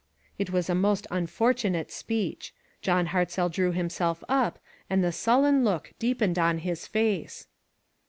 It was a most unfortunate speech. John Hartzell drew himself up, and the sullen look deepened on his face.